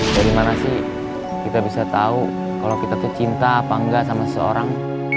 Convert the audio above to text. dari mana sih kita bisa tahu kalau kita tuh cinta apa enggak sama seseorang